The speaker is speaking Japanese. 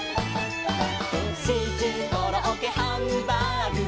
「シチューコロッケハンバーグも」